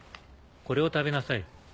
これを食べなさい。